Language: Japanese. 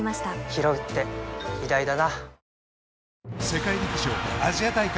ひろうって偉大だな